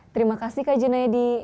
terima kasih kak junayadi